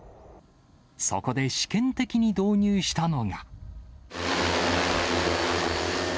そこで試験的に導入したのが。